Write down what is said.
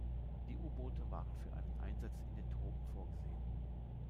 Die U-Boote waren für einen Einsatz in den Tropen vorgesehen.